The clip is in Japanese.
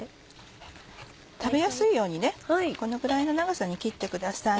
食べやすいようにこのぐらいの長さに切ってください。